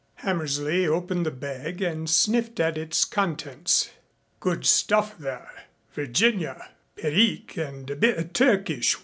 Hammersley opened the bag and sniffed at its contents. "Good stuff, that. Virginia, Perique and a bit of Turkish.